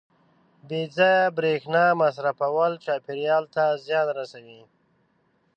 • بې ځایه برېښنا مصرفول چاپېریال ته زیان رسوي.